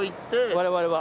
我々は。